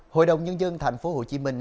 hội đồng nhân dân thành phố hồ chí minh